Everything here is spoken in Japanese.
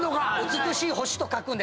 「美しい星」と書くんです。